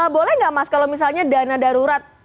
boleh nggak mas kalau misalnya dana darurat